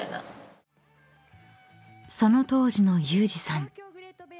［その当時の有志さん］